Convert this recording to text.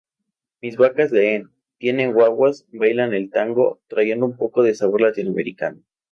Mis vacas leen, tienen guaguas, bailan el tango, trayendo un poco de sabor latinoamericano.